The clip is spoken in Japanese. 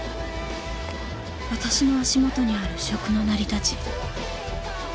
私の足元にある食の成り立ち。